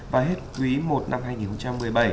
và hết quý i năm hai nghìn một mươi bảy